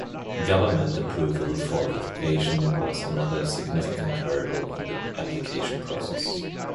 Government approval for the location was another significant hurdle in the application process.